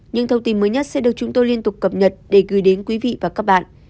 những thông tin mới nhất sẽ được chúng tôi liên tục cập nhật để gửi đến quý vị và các bạn